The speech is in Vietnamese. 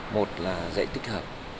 một là dạy tích hợp